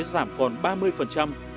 giảm còn ba mươi phần trăm